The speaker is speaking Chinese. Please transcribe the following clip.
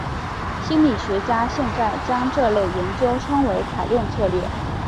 心理学家现在将这类研究称为采用策略。